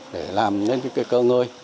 để làm những cơ ngơi